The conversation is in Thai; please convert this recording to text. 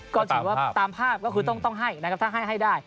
ก็ถือว่าตามภาพก็คือต้องให้นะครับถ้าให้ให้ได้